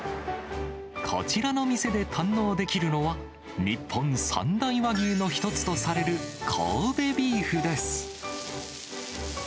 こちらの店で堪能できるのは、日本三大和牛の一つとされる神戸ビーフです。